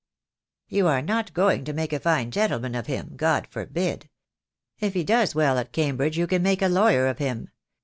"You are not going to make a fine gentleman of him. God forbid. If he does well at Cambridge you can make a lawyer of him.